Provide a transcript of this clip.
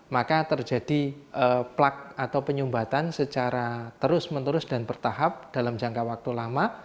maka terjadi plak atau penyumbatan secara terus menerus dan bertahap dalam jangka waktu lama